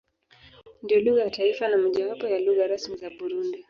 Ndiyo lugha ya taifa na mojawapo ya lugha rasmi za Burundi.